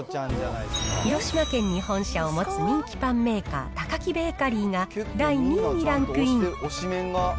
広島県に本社を持つ人気パンメーカー、タカキベーカリーが第２位にランクイン。